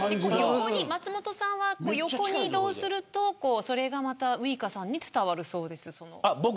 松本さんが横に移動するとそれがまた、ウイカさんに伝わるそうです。